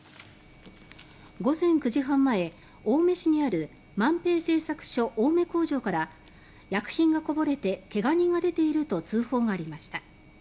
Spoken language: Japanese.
午前９時半前、青梅市にある萬平製作所青梅工場から薬品がこぼれて怪我人が出ていると通報がありました。